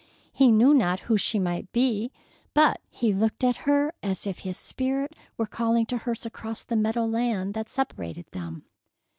He knew not who she might be, but he looked at her as if his spirit were calling to hers across the meadow land that separated them.